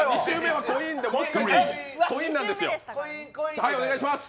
はい、お願いします。